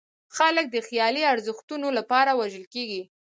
خلک د خیالي ارزښتونو لپاره وژل کېږي.